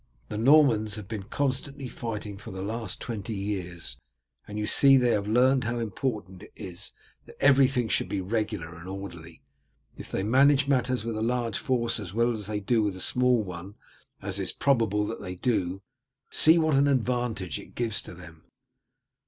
The Normans have been constantly fighting for the last twenty years, and you see they have learned how important it is that everything should be regular and orderly. If they manage matters with a large force as well as they do with a small one, as it is probable that they do, see what an advantage it gives to them.